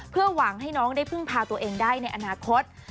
เพื่อหวังให้น้องได้พึ่งพาตัวเองได้ในอนาคต